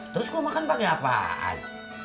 terus gua makan pake apaan